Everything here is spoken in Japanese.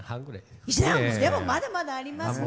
まだまだありますね。